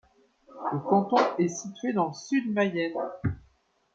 Le canton est situé dans le sud-Mayenne.